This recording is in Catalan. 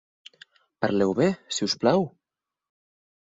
Parleu bé, si us plau!